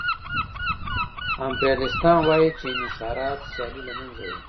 امپریالیستان وايي چې انحصارات سیالي له منځه وړي